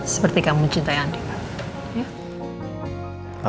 saat mama tahu kamu mau mencintai mereka